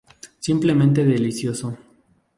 Simplemente delicioso.